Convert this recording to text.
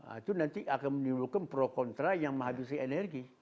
itu nanti akan menimbulkan pro kontra yang menghabisi energi